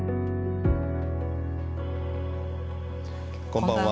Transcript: こんばんは。